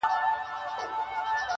ته یې لور د شراب، زه مست زوی د بنګ یم.